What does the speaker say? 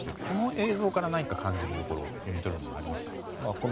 この映像から何か感じるところはありますか？